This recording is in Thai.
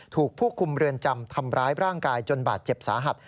ถูกผู้คุมเรือนจำทำร้ายร่างกายจนบาดเจ็บสาหัส